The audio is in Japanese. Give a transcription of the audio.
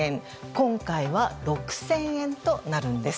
今回は６０００円となるんです。